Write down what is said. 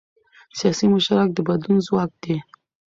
سیاسي مشارکت د بدلون ځواک دی